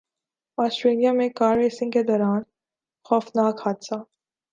Australia میں car racing کے دوران خوفناک حادثہ